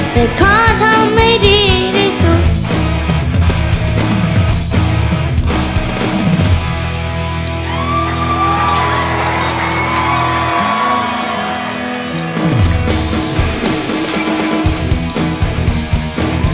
แต่ขอทำให้ดีที่สุด